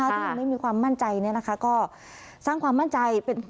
ถ้ายังไม่มีความมั่นใจเนี่ยนะคะก็สร้างความมั่นใจ